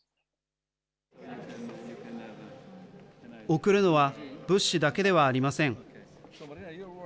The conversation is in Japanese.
送るのは物資だけではありません。